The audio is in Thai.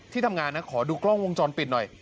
ทำงานนะขอดูกล้องวงจรปิดหน่อย